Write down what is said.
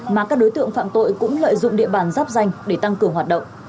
mà các đối tượng phạm tội cũng lợi dụng địa bàn giáp danh để tăng cường hoạt động